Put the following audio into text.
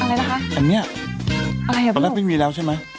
อะไรละคะตอนแรกไม่มีแล้วใช่มั้ย